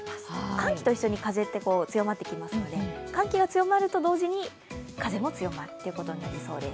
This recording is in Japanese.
寒気と一緒に風って強まってきますので寒気が強まると同時に風も強まることになりそうです。